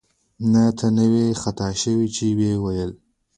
نه، ته نه وې خطا شوې چې ویل دې